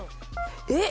えっ？